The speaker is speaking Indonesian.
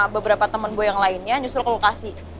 beberapa temen gue yang lainnya nyusul ke lokasi